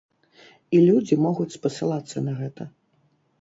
І людзі могуць спасылацца на гэта.